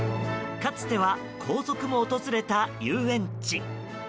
かつては皇族も訪れた遊園地。